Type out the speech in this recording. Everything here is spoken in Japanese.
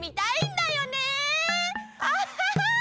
アッハッハ！